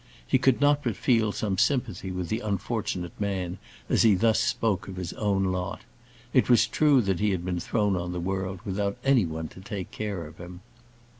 He could not but feel some sympathy with the unfortunate man as he thus spoke of his own lot. It was true that he had been thrown on the world without any one to take care of him.